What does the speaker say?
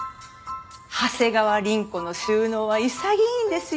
長谷川凛子の収納は潔いんですよ。